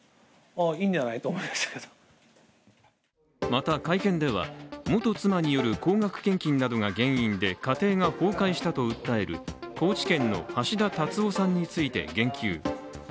また、会見では、元妻による高額献金などが原因で家庭が崩壊したと訴える高知県の橋田達夫さんについて言及。